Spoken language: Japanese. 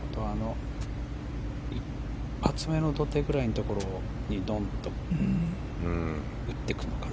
厚めの土手ぐらいのところにドンっと打ってくるのかな。